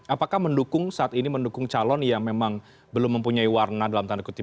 apakah mendukung saat ini mendukung calon yang memang belum mempunyai warna dalam tanda kutip